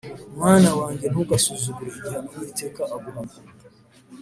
Mwana wanjye, ntugasuzugure igihano Uwiteka aguhana